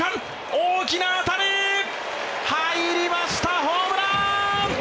大きな当たり入りました、ホームラン！